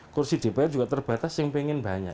kursi dpr juga terbatas yang pengen banyak